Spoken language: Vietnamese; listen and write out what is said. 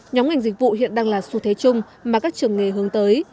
nhóm ngành dịch vụ hiện đang là xu thế chung mà các trường nghề hướng tới